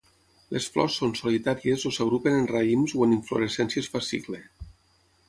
Les flors són solitàries o s'agrupen en raïms o en inflorescències fascicle.